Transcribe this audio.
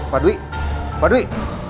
pak dwi pak dwi